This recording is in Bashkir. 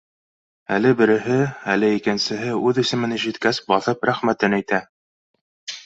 Әле береһе, әле икенсеһе үҙ исемен ишеткәс, баҫып рәхмәтен әйтә.